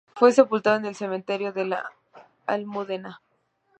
Fue sepultado en el cementerio de la Almudena.